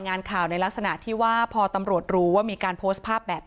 งานข่าวในลักษณะที่ว่าพอตำรวจรู้ว่ามีการโพสต์ภาพแบบนี้